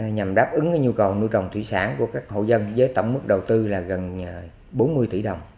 nhằm đáp ứng nhu cầu nuôi trồng thủy sản của các hộ dân với tổng mức đầu tư là gần bốn mươi tỷ đồng